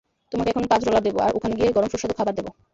তোমাকে এখন পাঁচ ডলার দেবো, আর ওখানে গিয়ে গরম সুস্বাদু খাবার দেব।